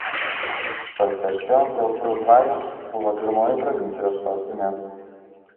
Konsepsion del Urugvajus buvo pirmoji provincijos sostinė.